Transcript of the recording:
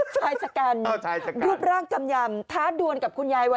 ชายชะกันรูปร่างจำยำท้าดวนกับคุณยายวัย